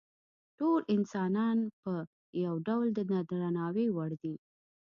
ټول انسانان په یو ډول د درناوي وړ دي.